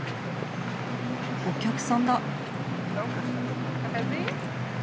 お客さんだ。